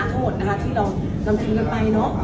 พวกเขาหายกันเยอะมากค่ะผู้เสียหายเยอะมากค่ะ